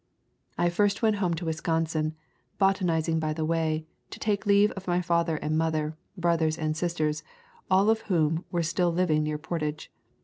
I first went home to Wis consin, botanizing by the way, to take leave of my father and mother, brothers and sisters, all of whom were still living near Portage.